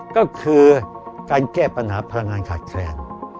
ก็คือการแก้ปัญหาพลังงานขาดแคลน